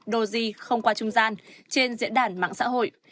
đồ di không qua trung gian trên diễn đàn mạng xã hội